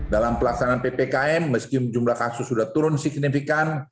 dalam pelaksanaan ppkm meski jumlah kasus sudah turun signifikan